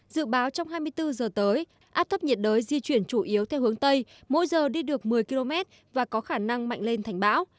dự báo trong hai mươi bốn giờ tới áp thấp nhiệt đới di chuyển chủ yếu theo hướng tây mỗi giờ đi được một mươi km và có khả năng mạnh lên thành bão